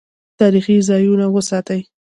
تاریخي ځایونه وساتئ